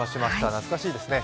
懐かしいですね。